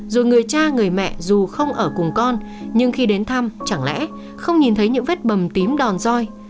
rồi người cha người mẹ dù không ở cùng con nhưng khi đến thăm chẳng lẽ không nhìn thấy những vết bầm tím đòn roi